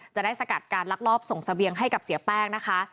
สกัดการลักลอบส่งเสบียงให้กับเสียแป้งนะคะ